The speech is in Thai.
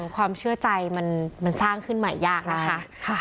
ความเชื่อใจมันสร้างขึ้นใหม่ยากนะคะค่ะค่ะใช่ค่ะ